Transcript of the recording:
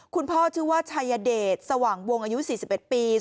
คุณพ่อชื่อชัยเดตสว่างวงอายุ๔๑ปี